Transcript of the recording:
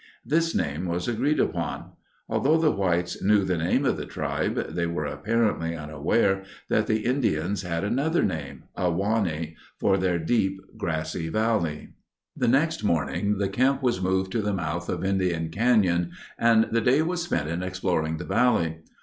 This name was agreed upon. Although the whites knew the name of the tribe, they were apparently unaware that the Indians had another name, Ahwahnee, for their Deep Grassy Valley. The next morning the camp was moved to the mouth of Indian Canyon, and the day was spent in exploring the valley.